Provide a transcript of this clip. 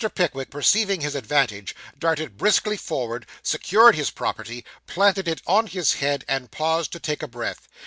Pickwick, perceiving his advantage, darted briskly forward, secured his property, planted it on his head, and paused to take breath.